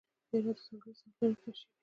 د هرات د ځانګړی سبک لرونکی کاشي وې.